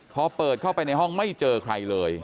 พอเปิดเข้าไปในห้องไม่เจอใครเลย